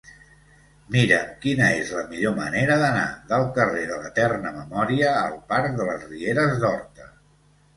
Mira'm quina és la millor manera d'anar del carrer de l'Eterna Memòria al parc de les Rieres d'Horta.